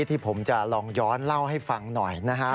ที่ผมจะลองย้อนเล่าให้ฟังหน่อยนะฮะ